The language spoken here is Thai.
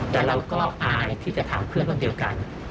แต่เราก็อายที่จะถามเพื่อนรุ่นเดียวกัน